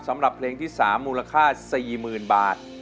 สำหรับเพลงที่๓มูลค่า๔๐๐๐บาท